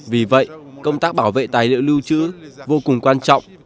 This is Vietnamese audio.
vì vậy công tác bảo vệ tài liệu liêu chữ vô cùng quan trọng